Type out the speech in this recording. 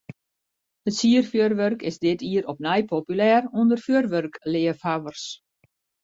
It sierfjurwurk is dit jier opnij populêr ûnder fjurwurkleafhawwers.